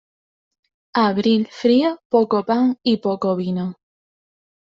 Abril frío, poco pan y poco vino.